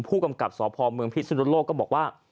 ผู้กำกับสพเมืองพิศนุโลกก็บอกว่า